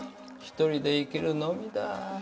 一人で生きるのみだ。